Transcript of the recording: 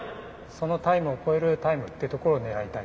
そのタイムを超えるタイムってところを狙いたいと思います。